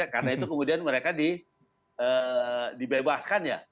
karena itu kemudian mereka dibebaskan ya